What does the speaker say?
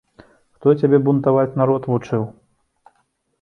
Хто цябе бунтаваць народ вучыў?